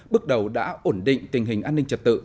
bước đầu đã ổn định tình hình an ninh trật tự